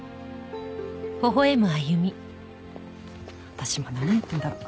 私も何やってんだろう。